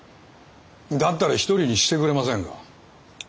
だったら一人にしてくれませんか。